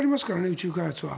宇宙開発は。